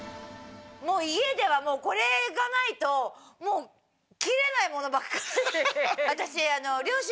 もう家ではこれがないともう切れない物ばっかり。